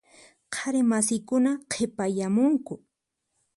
Qhari masiykuna qhipayamunku.